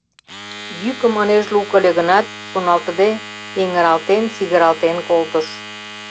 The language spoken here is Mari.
Йӱкым ынеж лук ыле гынат, шоналтыде, эҥыралтен-сигыралтен колтыш.